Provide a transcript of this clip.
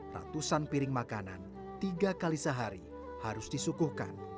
ratusan piring makanan tiga kali sehari harus disukuhkan